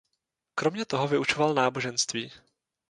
Kromě toho vyučoval náboženství.